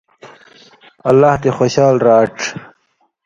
اللہ تی خوشال راڇھ